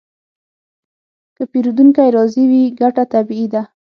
که پیرودونکی راضي وي، ګټه طبیعي ده.